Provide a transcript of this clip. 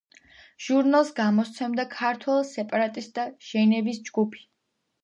ჟურნალს გამოსცემდა „ქართველ სეპარატისტთა ჟენევის ჯგუფი“.